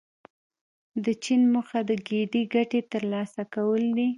د چین موخه د ګډې ګټې ترلاسه کول دي.